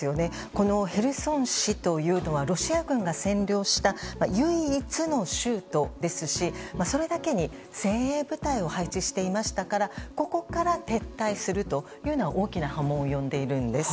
このヘルソン市というのはロシア軍が占領した唯一の州都ですしそれだけに先鋭部隊を配置していましたからここから撤退するというのは大きな波紋を呼んでいるんです。